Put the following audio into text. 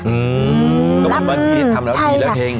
อือมันจะทำละสีละเพลง